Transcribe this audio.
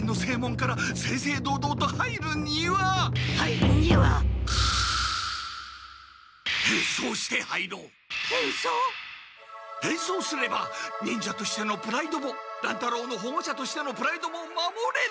変装！？変装すれば忍者としてのプライドも乱太郎のほごしゃとしてのプライドも守れる！